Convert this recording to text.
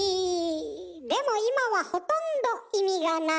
でも今はほとんど意味がない。